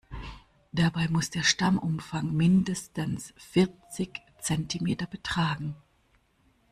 Dabei muss der Stammumfang mindestens vierzig Zentimeter betragen.